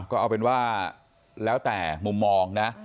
ก็เอาเป็นว่าแล้วแต่มุมมองนะ